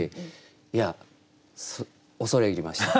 恐れ入りました。